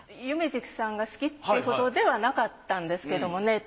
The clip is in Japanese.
夢二さんが好きってほどではなかったんですけどもね